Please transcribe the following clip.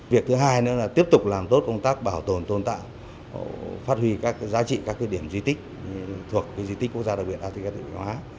việc thứ hai nữa là tiếp tục làm tốt công tác bảo tồn tôn tạo phát huy các giá trị các điểm di tích thuộc di tích quốc gia đặc biệt atk tự định hóa